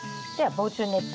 防虫ネット。